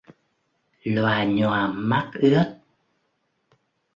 Loà nhoà mắt ướt